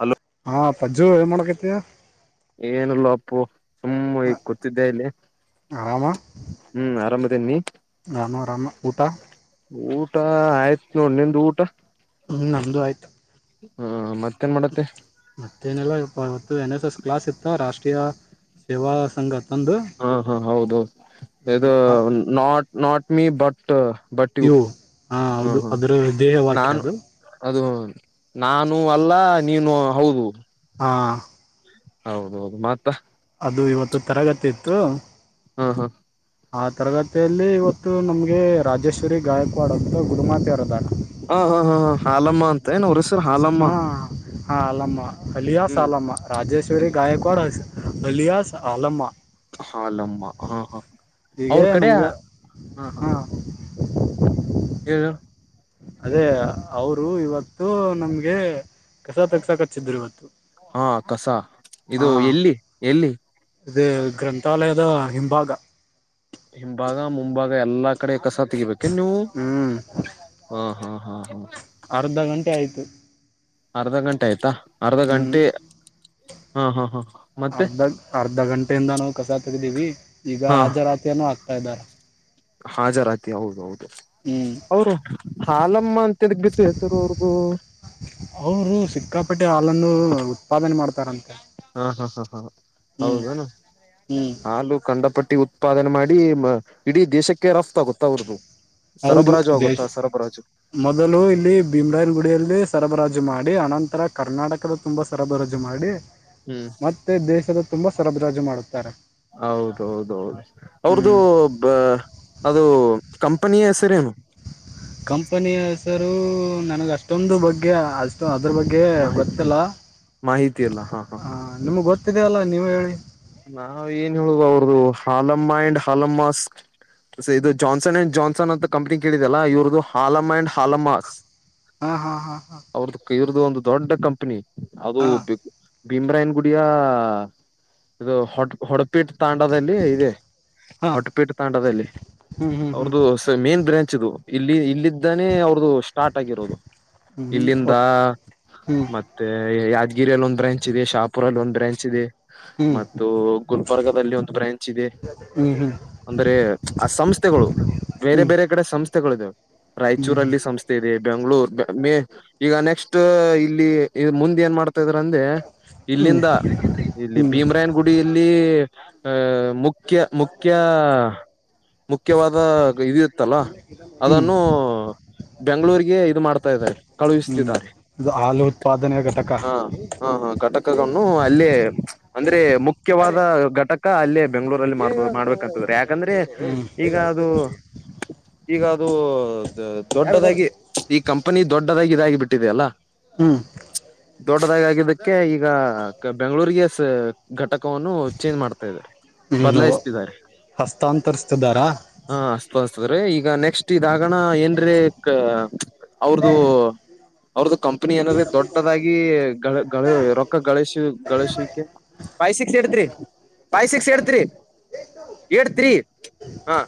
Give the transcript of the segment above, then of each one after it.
Hello ಹಾ ಪಜ್ಜು ಏನ್ ಮಾಡಕೈತಿಯ ಏನಲ್ಲೋ ಅಪ್ಪು ಸುಮ್ಮ ಈಗ ಕೂತಿದ್ದೆ ಇಲ್ಲಿ ಆರಾಮ ಹ್ಮ್ ಆರಭದೇ ನೀ ಗಊಟಾ ಊಟ ಆಯ್ತ್ ನೋಡ್ ನಿಮ್ದ ಊಟ ಹ್ಮ್ ನಮ್ದು ಆಯ್ತು ಹ್ಮ ಮತ್ತೆ ಮತ್ತೇನೆಲ್ಲ ಅವತ್ತು ಎನ್ ಎಸ್ ಎಸ್ ಕ್ಲಾಸ್ ಇತ್ತ ರಾಷ್ಟ್ರ ರಾರೀಯ ಸೇವಾ ಸಂಘತ್ ಹಾ ಹಾ ಹೌದುೌದು ಇದು ನಾಟ್ ನಾಟ್ ಮೀ ಬಟ್ ಬಟ್ಟಿ ಇವು ಹಾ ಹೌದು ಹಾ ಅದರ ದೇಹ ವಾಕ್ಯ ನಾನು ಅದು ಅದು ಹ ನಾನು ಅಲ್ಲ ನೀನು ಹೌದು ಹಾಂ ಹೌದೌದು ಮತ್ತ ಅದು ಇವತ್ತು ತರಗತಿ ಇತ್ತು ಹ ಹ ಆ ತರಗತಿ ಮತ್ತುಲ್ಲಿ ಇವತ್ತು ನಮಗೆ ರಾಜೇಶ್ವರಿ ಗಾಯಕವಾಡೋಂಥ ಗುಡುಮಾತೆ ಅರೋದಾಣ ಹಾ ಹಾ ಹಾ ಹಾ ಆಲಮ್ಮ ಅಂತ ಏ ಅವ ಹಾ ಹಾ ಅಲ್ಲಮ್ಮ ಅಲಿಯಾಸ್ ಹ್ಮ್ ಅಾಲಮ್ಮ ರಾಜೇಶ್ವರಿ ಗಾಯಕ್ವಾಡ್ ಹಸ ಅಲಿಯಾಸ್ ಅಲಮ್ಮ ಹಾಲ್ಲಮ್ಮ ಹಾ ಹಾ ಈಗ ನಮ್ಗೆ ಹಾ ಹೇಳು ಅದೇ ಅವರು ಇವತ್ತು ನಮ್ಗೆ ಕೆಸ ತಗಸ ಕಚ್ಚಿದ್ರು ಇವತ್ತು ಹಾ ಇದು ಎಲ್ಲಿ ಎಲ್ಲಿ ಅದೇ ಗ್ರಂಥಾಲಯದ ಹಿಂಭಾಗ ಹಿಂಭಾಗ ಮುಂಭಾಗ ಎಲ್ಲಾ ಕಡೆ ಕಸ ತೆಗಿಬೇಕೇನ್ ನೀವು ಹ್ಮ್ ಹ ಹಾ ಹ್ಮ ಅರ್ಧ ಗಂಟೆ ಆಯ್ತು ಅರ್ಧ ಗಂಟೆ ಆಯ್ತಾ ಅರ್ಧ ಹ್ಮ್ ಗಂಟೆ ಹಾ ಹಾ ಹಾ ಮತ್ತೆ ತಗ್ದೀವಿ ಈಗ ಹಾ ಆಜರಾತ್ರಿನ ಆಗ್ತಾ ಇದ್ದಾರ ಹಾಜರಾತಿ ಹೌದ ಹೌದು ಹ್ಮ್ ಅವರು ಹಾಲಮ್ಮ ಅಂತದಕ್ ಬಿತ್ತು ಹೆಸರು ಅವ್ರಗೂ ಅವರು ಸಿಕ್ಕಾಪಟ್ಟೆ ಹಾಲನ್ನು ಉತ್ಪಾದನೆ ಮಾಡ ಹಾ ಹಾ ಹಾ ಹಾ ಹ್ಮ್ ಹೌದನು ಹ್ಮ್ ಹಾಲು ಕಂಡ ಪಟ್ಟಿ ಉತ್ಪಾದನೆ ಮಾಡ ಇ ಇಡೀ ದೇಶಕ್ಕೆ ರಫ್ತ ಆಗುತ್ತಾ ಅವ್ರದು ಹೌದು ಸರಬರಾಜು ದೇಶ ಆಗುತ್ತಾ ಸರಬರಾಜು ಮೊದಲು ಇಲ್ಲಿ ಭೀಮ್ರನ್ ಗುಡಿಯಲ್ಲಿ ಸರಬರಾಜು ಮಾಡಿ ಅನಂತರ ಕರ್ನಾಟಕದ ತುಂಬಾ ಸರಬರಾಜು ಮಾಡಿ ಹ್ಮ್ ಮತ್ತೆ ದೇಶದ ತುಂಬಾ ಸರಬ್ರಾಜು ಮಾಡುತ್ತಾರೆ ಹೌದೌದ ಹೌದು ಅವ್ರ್ದು ಹ್ಮ್ ಅದು ಕಂಪನಿಯ ಹೆಸರೇನು ಕಂಪನಿ ಹೆಸರು ನನಗ ಅಷ್ಟೊಂದು ಬಗ್ಗೆ ಅಷ್ಟ ಅದ್ರ ಬಗ್ಗೆ ಮಾಹಿತಿ ಗೊತ್ತಿಲ್ಲ ಮಾಹಿತಿ ಅಲ್ಲ ಹಾ ಹಾ ಹ ನಿಮ್ಗ್ ಗೊತ್ತಿದಲ್ಲ ನೀವ ಹೇಳಿ ನಾವ ಏನ್ ಹೇಳುವ ಅವ್ರ್ದ ಹಾಲಮ್ಮ ಅಂಡ್ ಹಾಲಮ್ಮಸ್ ಇದು ಜಾನ್ಸನ್ ಅಂಡ್ ಜಾನ್ಸನ್ ಅಂತ ಕಂಪ್ನಿ ಕೇಳಿದೆ ಅಲ್ಲ ಇವ್ರ್ದ ಹಾಲಮ ಅಂಡ್ ಹಾಲಮಾಸ್ ಹಾ ಹಾ ಹಾ ಹಾ ಅವ್ರದ್ದು ಒಂದು ದೊಡ್ಡ ಕಂಪನಿ ಅದು ಭೀಮ್ರಾಯನ್ ಗುಡಿಯ ಇದು ಹೊ ಹೊಡಪಿಟ್ ತಾಂಡದಲ್ಲಿ ಇದೆ ಹಾಂ ಹೊಟಪೇಟೆ ತಾಂಡದಲ್ಲಿ ಹಾಂ ಹಾಂ ಹ್ಞೂ ಹ್ಞೂ ಹ್ಞೂ ಹ್ಞೂ ಅವ್ರದುು ಮೇನ್ ಬ್ರಾಂಚ್ ಇಲ್ಲಿ ಇಲ್ಲಿ ಇದಾನೆ ಅವ್ರದು ಸ್ಟಾರ್ಟ್ ಆಗಿರೋದು ಹ್ಞೂ ಇಲ್ಲಿಂದ ಒತ್ ಹ್ಞೂ ಮತ್ತೆ ಯ ಯಾದಗಿರಿಯಲ್ಲಿ ಒಂದು ಬ್ರಂಚ್ದೆ ಶಾಪುರಲ್ಲಿ ಒಂದು ಬ್ರಾಂಚ್ ಇದೆ ಹ್ಮ್ ಗುಲ್ಬರ್ಗಲ್ಲಿ ಒಂದು ಬ್ರಾಂಚ್ ಇದೆ ಹ್ಞೂ ಹ್ಞೂ ಅಂದರೆ ಆ ಸಂಸ್ಥೆಗಳು ಬೇರೆ ಹ್ಞೂ ಹ್ಞೂ ಬೇರೆ ಕಡೆ ಸಂಸ್ ಸಂಸ್ಥೆಗಳುವು ರಾಯಚೂರಲ್ಲಿ ಸಂಸ್ಥೆ ಇದೆ ಬೆಂಗ್ಗಳೂರ್ ಮ ಈಗ ನೆಕ್ಸ್ಟ್ ಇಲ್ಲಿ ಮುಂದೆ ಏನ್ ಮಾಡ್ತ ಇಲ್ಲಿಂದ ಇಲ್ಲಿ ಹ್ಞೂ ಹ್ಞೂ ಹ್ಞೂ ಭೀಮ್ರಾಯನ್ ಪುಡಿಯಲ್ಲಿ ಅಹ ಮುಖ್ಯ ಮುಖ್ಯ ಮುಖ್ಯವಾದ ಇದು ಇತ್ತಲ್ಲ ಅದನ್ನು ಬೆಂಗಗಳೂರಿಗೆ ಇದು ಮಾಡ್ತಾ ಇದ್ದಾರೆ ಹ್ಞೂ ಕಳುಹಿಸ್ತಿದ್ದಾರೆ ಇದು ಹಾಲು ಉತ್ಪಾದನೆಯ ಘಟಕ ಹ್ಞೂ ಹಾ ಹಾ ಹಾ ಘಟಕ್ ಕಗನು ಅಲ್ಲೇ ಅಂದ್ರೆ ಮುಖ್ಯವಾದ ಘಟಕ ಅಲ್ಲೇ. ಬೆಂಗ್ಳೂರಲ್ ಮಾಡ್ಬೋದು ಮಾಡ್ಬೇಕಂತಂದ್ರೆ ಯಾಕಂದ್ರೆ ಈಗ ಅದು. ಈಗ ಅದು ದೊಡ್ಡದಾಗಿ ಈ ಕಂಪನಿ ದೊಡ್ಡದಾಗಿ ಇದಾಗಿ ಬಿಟ್ಟಿದ ಅಲ್ಲಾ. ಹ್ಮ್ ದೊಡ್ಡದಾಗಿ ಆಗಿದ್ದಕ್ಕೆ ಈಗ ಬೆಂಗ್ಳೂರಿಗೆ ಸೆ ಘಟಕ್ ಕವನ್ನು ಚೇಂಜ್ ಮಾಡ್ತಾ ಇದಾರೆ ಹ್ಞೂ ಬದ್ಲಾಯಿಸ್ತಿದ್ದಾರೆ ಹಸ್ತಾಂತರಿಸ್ತಿದ್ದಾರಾ ಹ. ತಸ್ತದ್ರೆ ಈಗ ನೆಕ್ಸ್ಟ್ ಇದಾಗಣ ಏನ್ರೆ ಅವ್ರದು. ಅವ್ರದ್ದು ಕಂಪನಿ ಏನರೆ ದೊಡ್ಡದಾಗಿ ಗಳ ಗಳ ರೊಕ್ಕ ಗಳಶಿ ಗಳೇಶಿಕೆ. Five six eight three five six eight three. Eight three ಹಾ.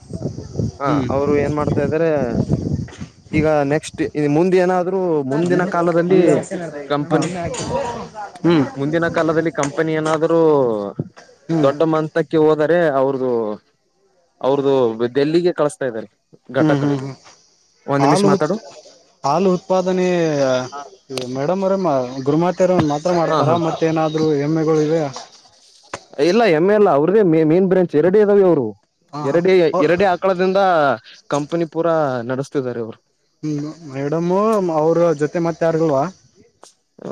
ಹ ಹ್ಞೂ ಅವ್ರು ಏನ್ ಮಾಡ್ತಾ ಇದಾರೆ ಈಗ ನೆಕ್ಸ್ಟ್ ಇ ಮುಂದೆ ಏನಾದ್ ದ್ರು ಮುಂದಿನ ಕಾಲದಲ್ಲಿ ನಮ್ದ ಹಾ ಕಂಪನಿ ಹ್ಮ್ ಮುಂದಿನ ಕಾಲದಲ್ಲಿ ಕಂ ಪನಿ ಏನಾದ್ರು ಹ್ಮ್ ದೊಡ್ಡ ಮಂತಕ್ಕೆ ಹೋದರೆ ಅವ್ರದು. ಅವ್ರ್ದು ದೆಲ್ಲಿಗೆ ಕಳಿಸ್ತಾ ಇದ್ದಾರೆ ಹ್ಮ್ ಘಟಕ. ಹ್ಮ್ ಹ್ಮ್ ಒಂದ್ ನಿಮಿಷ ಹಾಲು ಉತ್ ಮಾತಾಡು ಹಾಲು ಉತ್ಪಾದನೆ ಮೇಡಮ್ಮರೆಮ. ಗುರುಮಾತೆರು ಒಂದ್ ಮಾತ್ರ ಹಾ ಮಾಡ್ತಾರ ಹಾ ಮತ್ತೇನಾದ್ರು ಹೆಮ್ಮೆಗಳು ಇವೆಯ. ಇಲ್ಲ ಎಮ್ಮ ಎಲ್ಲ ಅವ್ರದೇ ಮೆ ಮೇನ್ ಬ್ರಾಂಚ್ ಎರಡೇ ಇದಾವೆ ಇವ್ರು. ಹ ಹಾ ಎರಡೆ ಎರಡೆ ಆಕಳದಿಂದ ಕಂಪನಿ ಪೂರಾ ನಡೆಸ್ತಿದಿದ್ದಾರೆ ಇವ್ರು. ಹ್ಮ್ ಮೇಡಮ್ಮ ಅವ್ರ ಜೊತೆ ಮತ್ತೆ ಯಾರಿಲ್ವಾ.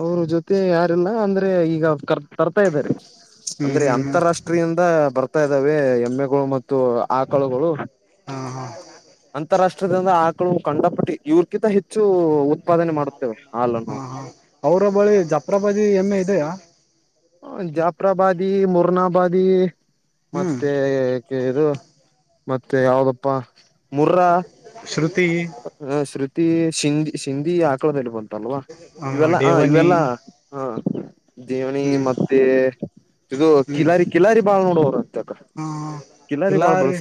ಅವ್ರ ಜೊತೆ ಯಾರಿಲ್ಲ ಅಂದ್ರೆ ಈಗ ಕರ್ ತರ್ತಾ ಇದಾರೆ ಹ್ಮ್ ಅಂದ್ರೆ ಹ್ಮ್ ಹ್ಮ್ ಅಂತಾರಾಷ್ಟ್ರೀಯಿಂದ ಬರ್ತಾ ಇದ್ದಾವೆ ಎಮ್ಮೆ. ಗೊ ಮತ್ತು ಆಕಳುಗಳು. ಹಾ ಹ ಅಂತಾರಾಷ್ಟ್ರದಿಂದ ಆಕಳು ಕಂಡಪಟ್ಟಿ ಇವ್ರಕಿಂತ ಹೆಚ್ಚು ಉತ್ಪಾದನೆ ಮಾಡುತ್ ಹಾ ಹಾ ಅವ್ರ ಬಳಿ ಜಪ್ರಬದಿ ಎಮ್ಮೆ ಇದೆಯಾ. ಹ ಜಾಫ್ರಾಬಾದಿ, ಮುರ್ನಾಬಾದಿ. ಹ್ಮ್ ಮತ್ತೆ ಗೀರು ಮತ್ತೆ ಯಾವ್ದಪ್ಪ ಮುರ್ರ. ಶ್ರುತಿ ಹ ಶ್ರುತಿ ಶಿಂಗಿ ಶಿಂದಿ ಆಕ್ಳ ಇಡ್ಬೊದು. ಅಲ್ವಾ ಇವೆಲ್ಲ ಹ ಇವೆಲ್ಲಾ ಹಾ. ದೇವ್ನಿ ಹ್ಮ್ ಮತ್ತೆ ಇದು ಹ್ಮ್ ಕಿಲಾರಿ ಕಿಲಾರಿ ಬಾಳ್ ನೋಡುವರು. ಹಾ ಕಿಲಾರಿ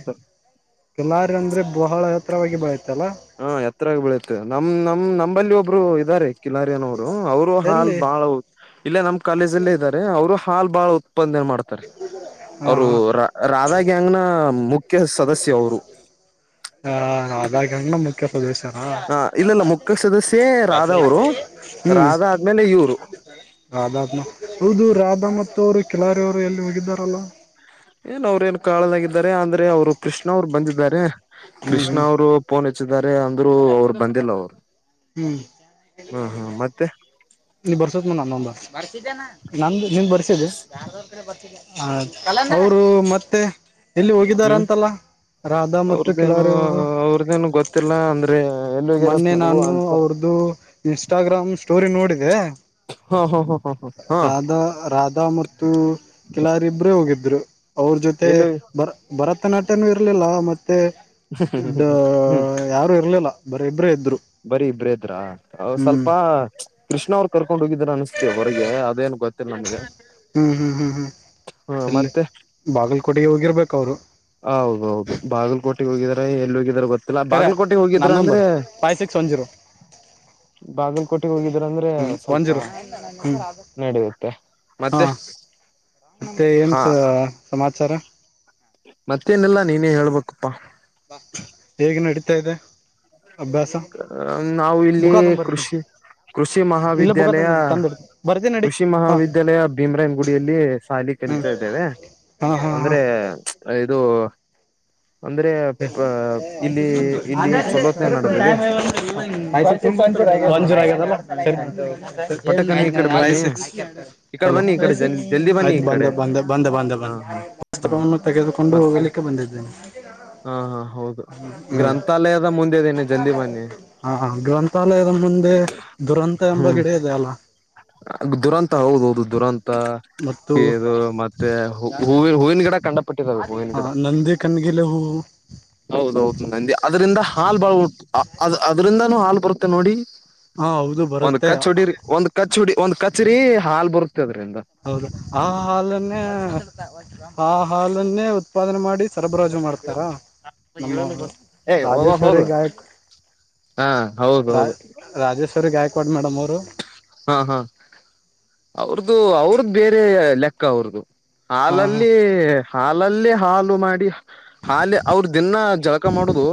ಕಿಲಾರಿ ಅಂದ್ರೆ ಬಹಳ ಹೆತ್ರರವಾಗಿ ಬಳೆಯತಲ್ಲ. ಹಾ ಎತ್ತರಗ್ ಬೆಳುತ್ತೆ ನಮ್ ನಮ್ ನಂಬಲ್ಲಿ ಒಬ್ರು ಇದ್ದಾರೆ. ಕಿಲಾರಿ ಅನೋರು ಅವ್ರು ಹಾಲ್ ಎಲ್ಲಿ ಬಾಳ್ ಹ ಇಲ್ಲೇ ನಮ್ ಕಾಲೇಜ್ ಅಲ್ಲೇ ಇದ್ದಾರೆ ಅವ್ರು ಹಾಲ್ ಬಾಳ್ ಉತ್ ಪ್ಪಂದೆ ಮಾಡ್ತಾರೆ ಹಾ ಅವ್ರು ಹಾ ರಾದ್ ರಾಧಾಗಂಗ್ನ ಮುಖ್ ಕ್ಯ ಸದಸ್ಯ ಅವ್ರು. ಹ ಹಾಗ್ಯಗ್ ಮುಖ್ಯ ಪ್ರದೇಶ. ಹಾ ಇಲ್ಲಲ್ಲ ಮುಕ್ಕ ಸದಸ್ಯೆ ರಾಧಾ ಅವ್ರು ಹ್ಮ್ ರಾಧಾ ಆದ್ಮೇಲೆ ಇವ್ರು. ರಾಧಾತ್ಮ ಹೌದು ರಾಧಾ ಮತ್ತು ಅವ್ರು ಕಿಲಾರಿ ಅವ್ರು ಎಲ್ಲಿ ಹೋಗಿದ್ದಾರಲ್ಲ. ಏನ್ ಅವ್ರ ಏನ್ ಕಾಳಲಾಗಿದ್ದಾರೆ ಅಂದ್ರೆ ಅವ್ರು ಕೃಷ್ಣ ಅವ್ರು ಬಂದಿದ್ದಾರೆ ಹ್ಮ್ ಕೃಷ್ಣ ಹ್ಮ್ ಅವ್ರು ಪೋನ್ ಏತ್ ಸಿದ್ದಾರೆ ಅಂದ್ರು ಅವ್ರು ಬಂದಿಲ್ಲ ಅವ್ರು. ಹ್ಮ್ ಹ್ಮ ಹಾ ಮತ್ತೆ ನೀ ಬರ್ಷತ್ನನ್ಯ ನಂದೊಂದ. ಬರ್ಸಿದ್ದೇನಾ ನ ನಂದು ನೀಂ ಬರ್ಸಿದ್ದೀ ಬರೆದೊರ್ ಕಡೆ ಬರ್ಸಿದೆ. ಹ ಅವ್ರು ಮತ್ತೆ. ಎಲ್ಲಿ ಹ್ಮ್ ಹೋಗಿದಾರಂತಲ್ಲ ರಾಧಾ ಮತ್ತು ಅವ್ರದೇನು ಕಿಲಾರಿ ಅವ್ರು. ಅವ್ರದೇನು ಗೊತ್ತಿಲ್ಲ ಅಂದ್ರೆ ಎಲ್ಲಿಗಿರತ್ ಮೊನ್ನೆ ನನಗೂ ನಾನು ಅಂತ ಅವ್ರ್ದು ಇನ್ಸ್ಟಾಗ್ರಾಮ್ ಸ್ಟೋರಿ ನೋಡಿದೆ. ಹಾ ಹಾ ಹಾ ಹಾ ಹಾ ಹಾ ರಾಧಾ ರಾಧಾ ಮತ್ತು ಕಿಲಾರಿ ಇಬ್ಬರೇ ಹೋಗಿದ್ರು. ಅವ್ರ ಜೊತೆ ಎಲ್ಲಿ ಬರ್ ಭರತನಾಟ್ಯನು ಇರ್ಲಿಲ್ಲ ಮತ್ ತ್ತೆ ಯಾರು ಡ ಇರ್ಲಿಲ್ಲ ಬರಿ ಅವ್ರ್ ಇಬ್ಬರೇ ಇದ್ ಬರಿ ಇಬ್ರೇದ್ರ ಅವ್ ಸ್ವಲ್ಪ ಕೃಷ್ಣ ಅವ್ರ ಕರ್ಕೊಂಡ್ ಹೋಗಿದ್ರ ಅನ್ಸ್ತೇ ಹೊರ್ಗೆ ಅದೇನ್ ಗೊತ್ ಹ್ಮ್ ಹ್ಮ್ ಹ್ಮ್ ಹ್ಮ್ ಹ ಎಲ್ಲಿ ಮತ್ತೆ ಬಾಗಲಕೋಟೆಗೆ ಹೋಗಿರ್ಬೇಕ ಅವರು ಕೋಟಿಗೆ ಹೋಗಿದ್ರ ಎಲ್ಲಿ ಹೋಗಿದಾರ ಗೊತ್ತಿಲ್ಲ ಬಾಗಲಕೋಟೆೆಗೆ ಹೋಗಿದ್ರಾ ಅಂದ್ರೆ ಸಂೊಜ್ರ [inaudible] ಬಾಗಲ್ಕೋಟೆಗೆ ಹೋಗಿದ್ರಂದ್ರೆ ಒನ್ ಸ್ವಲ್ಪ ಜೀರೋ ಹ್ಞೂ ನಡೆಯತ್ತೆ ಮತ್ತೆ ಹಾಂ ಮತ್ತೆ ಏನ್ಸ ಸಮಾಚಾರ ಮತ್ತೇನೆಲ್ಲಾ ನೀನೇ ಹೇಳ್ಬೇಕಪ್ಪ ಹೇಗೆ ನಡೀತಾ ಇದೆ ಅಭ್ಯಾಸ ಅ ನಾವು ಇಲ್ಲಿ ಬುಕ್ಕ ತೊಂಬರ್ತೀನಿ ಕೃಷಿ ಕೃಷಿ ಇಲ್ಲ ಬುಕ್ಕ ಮಹಾವಿದ್ಯಾಲಯ ತಂದೀನಿ ತಂದಿಡ್ತೀನಿ ಬರ್ತೀನಿ ನಡಿ ಕೃಷಿ ಹಾಂ ಮಹಾವಿದ್ಯಾಲಯ ಭೀಮ್ರಾಯನ್ ಗುಡಿಯಲ್ಲಿ ಸಾಲಿ ಹ್ಞೂ ಕಲಿತಾ ಇದ್ದೇವೆ ಹಾ ಹಾ ಹಾ ಅಂದ್ರೆ ಚ್ ಇದು ಅಂದ್ರೆ ಟ್ [unintelligible] ಯ್ ಇಲ್ಲಿ ಇಲ್ಲಿ ಚಲೋತ್ನೆ ನಡೆದಿದೆ ತುಂಬಾಂೂಂಜೂರ ಹಾ ಹಾ ಆಗದಲ್ಲ [unintelligible] ಪಟಕನ ಈ ಕಡೆ ಬನ್ನಿ ಈ ಕಡೆ ಲೋ ಬನ್ನಿ ಈ ಕಡೆ ಜಲ್ ಜಲ್ದಿ ಬನ್ನಿ ಆಯ್ತು ಈ ಬಂದ ಕಡೆ ಬಂದ ಬಂದ ಬಂದ ಹಾ ಬಂದ ಹಾ ಹಾ ಪುಸ್ತಕವನ್ನು ತೆಗೆದುಕೊಂಡು ಮತ್ತೆ ಹೋಗಲಿಕ್ಕೆ ಬಂದಿದ್ದೇನೆ ಹಾ ಹಾ ಹೌದು ಹ್ಮ್ ಗ್ರಂಥಾಲಯದ ಮುಂದೆ ಇದೇನೆ ಜಲ್ದಿ ಬನ್ನಿ ಹಾ ಗ್ರಂಥಾಲಯದ ಮುಂದೆ ದುರಂತ ಎಂಬ ಹ್ಮ್ ಗಿಡ ಇದೆ ಅಲ್ಲ ದುರಂತ ಹೌದ ಹೌದು ದುರಂತ ಮತ್ತು ಕದು ಮತ್ತೆ ಹೂವ ಹೂವಿನ ಗಿಡ ಕಂಡ ಆ ಹ ನಂದಿ ಕಣ್ಗಿಲೆ ಹೂವು ಹಾಲ್ ಬ ಉ ಅದ್ರಿಂದಾನೂ ಹಾಲ್ ಬರುತ್ತೆ ನೋಡಿ ಹಾ ಹೌದು ಒಂದ್ ಬರುತ್ತೆ ಕಚ್ ಹುಡಿ ಒಂದ್ ಕಚ್ ಹೊಡಿ ಒಂದ್ ಕಚ್ಚರಿ ಹಾಲ್ ಬರುತ್ತ ಹೌದ ಆ ಹಾಲನ್ನೇ ಆ ಹಾಲನ್ನೇ ಉತ್ಪಾದನೆ ಮಾಡಿ ಸರಬರಾಜು ಮಾಡ್ತಾರಾ ನಮ್ಮ ಏ ಹೋಗ ರಾಜೇಶ್ವರಿ ಹೋಗು ಗಾಯಕ್ ಹಾ ಹೌದೌದು ರಾಜೇಶ್ವರಿ ಗಾಯ್ಕವಾಡ್ ಮೇಡಮ್ ಅವರು ಹಾ ಹಾ ಅವ್ರದುು ಅವ್ರದ ಬೇರೆ ಲೆಕ್ಕ ಅವ್ರದುು ಹಾ ಹಾಲಲ್ಲಿ ಹಾಲಲ್ಲಿೇ ಹಾಲು ಮಾಡಿ ಹಾಲಿ ಅವ್ರ ದಿನ ಜಳಕ ಮಾಡುದು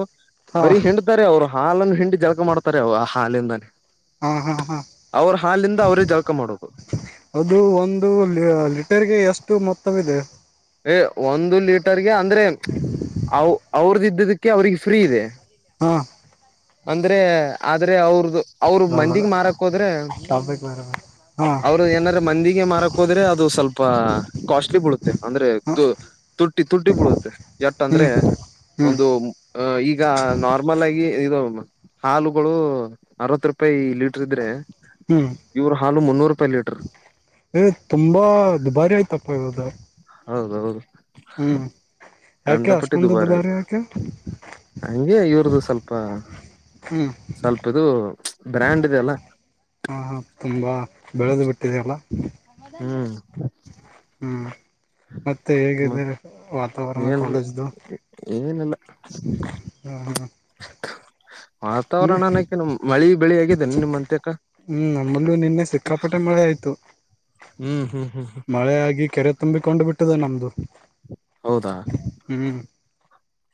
ಹಾ ಬರೀ ಹಿಂಡ್ತಾರೆ ಅವ್ರು ಹಾಲನ್ನು ಹಿಂಡಿ ಜಲಕ ಮಾಡ್ತಾರೆ ಅವ ಆ ಹಾಲಿಂದಾನೇ ಹ್ಮ ಹಾ ಹಾ ಅವ್ರ ಹಾಲಿಂದ ಅವ್ರೇ ಜಳಕ ಮಾಡೋದು ಅದು ಒಂದು ಲೀಟರ್ಗೆ ಎಷ್ಟು ಮ ತ್ತ ಇದೆ ಏ ಒಂದು ಲೀಟರ್ಗೆ ಅಂದ್ರೆ ಅವ ಅವ್ರದ ಇದ್ದದಕ್ಕೆ ಅವ್ರಿಗೆ ಫ್ರೀ ಇದೆ ಹಾ ಅಂದ್ರೆ ಆದ್ರೆ ಅವ್ರದು ಅವ್ರ ಮಂದಿಗ್ ಮಾರಕ್ ಹೋದ್ರೆ ಹ್ಮ ಅವರು ಏನಾರ ಮಂದಿಗೆ ಮಾರಕ್ ಹೋದ್ರೆ ಅದು ಸ್ವಲ್ಪ ಕಾಸ್ಟ್ಲಿ ಬಿಡುತ್ತೆ ಅಂದ್ರೆ ಹ ತ ತಟ್ಟಿ ತುಟ್ಟಿ ಬಿಡುತ್ತೆ ಎಟ್ಟ ಹ್ಮ್ ಅಂದ್ರೆ ಹ್ಮ್ ಒಂದು ಈಗ ನಾರ್ಮಲ್ ಆಗಿ ಇದು ಹಾಲುಗಳು ಅರವತ್ ರೂಪಾಯಿ ಲೀಟರ್ ಇದ್ರೆ ಹ್ಮ್ ಇವ್ರ ಹಾಲು ಮುನ್ನೂರು ರೂಪಾಯಿ ಲೀಟರ್ ತುಂಬಾ ದುಬಾರಿ ಆಯ್ತು ಒಬದ [inaudible] ಹೌದ ಹೌದು ಹ್ಮ್ ಯಾಕೆ ಗಂಡಪಟ್ಟಿ ಅಷ್ಟೊಂದು ದುಬಾರಿ ಆಯತು ಯಾಕೆ ಹಗೆ ಇವ್ರ್ದ ಸ್ವಲ್ಪ ಹ್ಮ್ ಸ್ವಲ್ಪದು ಬ್ರ್ಯಾಂಡ್ ಇದೆ ಅಲ್ಲ ಹಾ ಹಾ ತುಂಬಾ ಬೆಳೆದು ಬಿಟ್ಟಿದಲ್ಲ ಹ್ಮ್ ಹ್ಮ್ ಮತ್ತೆ ಮ ಹೇಗಿದೆ ವಾತಾವರಣ ಏನ್ ಕಾಲೇಜ್ದು ಏನಿಲ್ಲ ಹ್ಮ ಹಾ ವಾತಾವರಣನಕ್ಕೆ ನ ಮಳಿ ಬೆಳಿ ಆಗಿದ್ದೇನೆ ನಿಮ್ಮಂತ ಹ್ಮ್ ನಮ್ಮಲ್ಲೂ ನಿನ್ನೆ ಸಿಕ್ಕಾಪಟ್ಟೆ ಮಳೆ ಆಯ್ತು ಹ್ಮ್ ಹ್ಮ್ ಹ್ಮ್ ಮಳೆ ಆಗಿ ಕೆರೆ ತುಂಬಿಕೊಂಡು ಬಿಟ್ಟಿದೆ ನಮ್ದು ಹೌದಾ. ಹ್ಮ್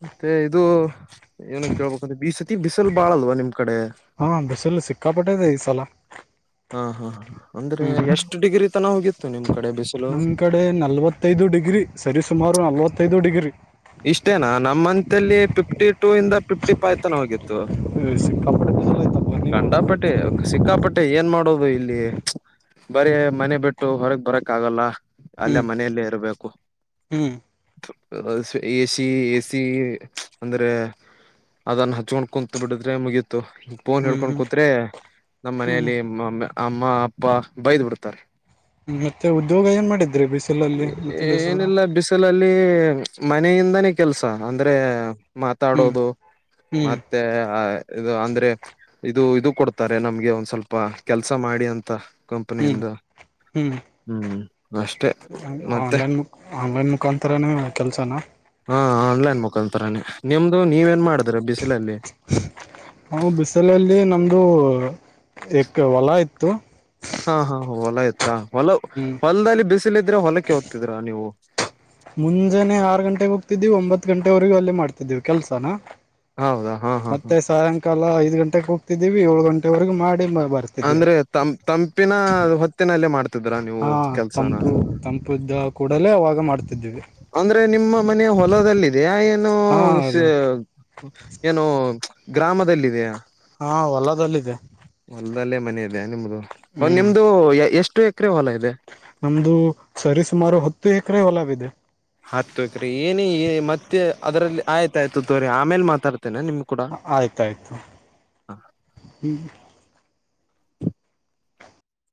ಮತ್ತೆ ಇದು ಏನ ಕೇಳ್ಬಂದ್ರೆ ಬೀಸತಿ ಬಿಸಲ್ ಬಾಳಲ್ವಾ ನಿಮ್್ದ. ಹಾ ಬಸಲು ಸಿಕ್ಕಾಪಟ್ಟಿದೆ ಈ ಸಲ. ಹಾ ಹಾ ಅಂದ್ರೆ ಹ್ಮ್ ಎಷ್ಟ್ ಡಿಗ್ರಿ ತನ ಹೋಗಿತ್ತು. ನಿಮ್ ಕಡೆ ಬಿಸಿಲು ನಮ್ ಕಡೆ ನಲ್ವತ್ತೈದು ಡಿಗ್ರಿ ಸರಿರಿಸುಮಾರು ನಲ್ವತ್ತೈದು ಡಿಗ್ರಿ. ಇಷ್ಟೇನಾ ನಮ್ ಮಂತ ಅಲ್ಲಿ ಫಿಫ್ಟಿ ಟೂ ಇಂದ ಫಿಫ್ಟಿ ಫೈ್ ತನ ಹೋಗಿತ್ತು. ಸಿಕ್ಕಾಪಟ್ಟೆ ಬಿಸಿಲು ಐತಪ್ಪ ನೀವು ಕಂಡಾಪಟ್ಟೆ ಸಿಕ್ಕಾಪಟ್ಟೆ ಏನ್ ಮಾಡ. ನೋಡದು ಇಲ್ಲಿ ಬರೀ ಮನೆ ಬಿಟ್ಟು ಹೊರಗ್ ಬರಕ್ ಆಗಲ್ಲ ಅಲ್ಲ ಹ್ಮ್ ಮನೆಯಲ್ಲೇ ಇರಬೇಕು. ಹ್ಮ್. ಎ ಸಿ ಎ ಸಿ ಅಂದ್ರೆ ಅದನ್ನು ಹಚ್ಕೊಂಡ್ ಕುಂತ ಬಿಡಿದ್ರೆ ಮುಗ. ಫೋನ್ ಹ್ಮ್ ಹೇಡ್ಕೊಂಡ್ ಹ್ಮ್ ಕೂತ್ರೆೆ ನಮ್ಮ್ ಹ್ಮ್ ಮನೆಯಲ್ಲಿ. ಅಮ್ಮ ಅಪ್ಪ ಬೈದ್ ಬಿಡ್ತಾರೆ. ಮತ್ತೆ ಉದ್ಯೋಗ ಏನ್ ಮಾಡಿದ್ರಿ ಬಿಸಿಲಲ್ಲಿ ಮತ್ತೆ ಬಿಸಿಲ ಏನಿಲ್ಲ ಬಿಸಿಲಲ್ಲಿ. ಮನೆಯಿಂದಾನೇ ಕೆಲ್ಸ ಅಂದ್ರೆ. ಹ್ಮ್ ಮಾತಾಡೋದು ಹ್ಮ್ ಮತ್ತೆ ಇದು ಅಂದ್ರೆ. ಇದು ಇದು ಕೊಡ್ತಾರೆ ನಮ್ಗೆ ಒಂದ್ ಸ್ವಲ್ಪ ಕೆಲ್ಸ ಮಾಡಿ ಅಂತ. ಹ್ಮ್ ಕಂಪನಿಯಿಂದ ಹ್ಮ್ ಹ್ಮ್. ಅಷ್ಟೇ ಮತ್ತೆ ಆನ್ಲೈನ್ ಮು ಆನ್ಲೈನ್ ಮುಖಾಂತರನೇ ಕೆಲ್ಸನ. ಹಾ ಆನ್ಲೈನ್ ಮುಖಳಂತರಾನನೆ ನಿಮ್ದು ನೀವೇಏನ್ ಮಾಡ. ನಾವು ಬಿಸಲಲ್ಲಿ ನಮ್ದು. ಕ ಹೊಲ ಇತ್ತು. ಹಾ ಹಾ ಹೊಲ ಇತ್ತಾ ಹೊಲ ಹ್ಮ್ ಹೊಲದಲ್ಲಿ ಬಿಸಿಲ ಇದ್ರೆ ಹೊಲಕ್ಕೆ ಹೋಗ್ತಿದ್ರಾ ನೀವು. ಮುಂಜಾನೆ ಆರು ಗಂಟೆಗೆ ಹೋಗ್ತಿದ್ದೀ ಒಂಬತ್ ಗಂಟೆವರೆಗೂ ಅಲ್ಲಿೇ ಮಾಡ್ತಿದ್ದೀವಿ ಕೆಲ್ಸನಾ. ಹೌದಾ ಹಾ ಹಾ ಹಾ ಮತ್ತೆ ಸಾಯಂಕಾಲ ಐದ್ ಗಂಟೆೆಗೆ ಹೋಗ್ತಿದ್ದೀವಿ ಏಳು ಗಂಟೆವರೆಗ ಮಾಡಿ. ಬರ್ತಿದವೆ ಅಂದ್ರೆ ತಂ ತಂಪಿನ ಹೊತ್ತಿನಲ್ಲೇ ಮಾಡ್ತಿದ್ರಾ ನೀವು ಹಾ ಕೆಲ್ಸನ ತಂಪು ತಂಪು. ಕೂಡಲೇ ಅವಾಗ ಮಾಡ್ತಿದ್ದೆ. ಅಂದ್ರೆ ನಿಮ್ಮ ಮನ ಹೊಲದಲ್ಲಿದೆಯಾ. ಏನು ಹಾ ಅದು ಏನು ಗ್ರಾಮದಲ್ಲಿದೆಯ. ಹಾ ಹೊಲದಲ್ಲಿದೆ. ಅಲ್ದಲ್ಲೇ ಮನೆ ಇದೆೆಯಾ ನಿಮ್ದು ಒ ಹ್ಮ್ ನಿಮ್ದು ಎಷ್ಟ. ನಮ್ದು ಸರಿಸುಮಾರು ಹತ್ತು ಎಕರೆ ಹೊಲಬ ಇಿದೆ. ಹತ್ಕ್ರಿ ಏನ ಮತ್ತೆ ಅದ್ರಲ್ಲಿ ಆಯ್ತಾಯ್ತು ತೋರಿ ಆಮೇಲೆ ಮಾತಾಡ್ತ. ನಾ ನಿಮ್ ಕೂಡ. ಆಯ್ತಾಯ್ತು